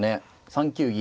３九銀。